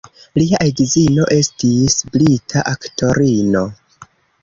Lia edzino estis brita aktorino.